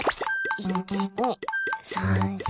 １、２、３、４。